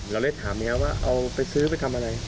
เราได้ถามเมียว่าเอาไปซื้อไปทำอะไร